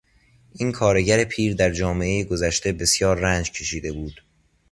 این کارگر پیر در جامعهٔ گذشته بسیار رنج کشیده بود.